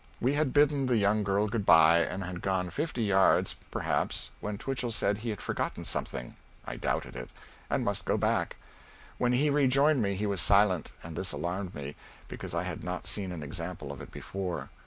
We had bidden the young girl good by and had gone fifty yards, perhaps, when Twichell said he had forgotten something (I doubted it) and must go back. When he rejoined me he was silent, and this alarmed me, because I had not seen an example of it before.